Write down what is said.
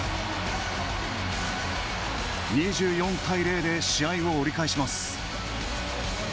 ２４対０で試合を折り返します。